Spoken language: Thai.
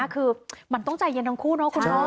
คือมันต้องใจเย็นทั้งคู่เนาะคุณน้อง